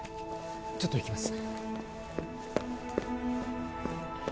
ちょっと行きます